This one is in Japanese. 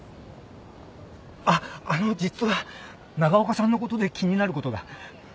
あっあの実は長岡さんのことで気になることが。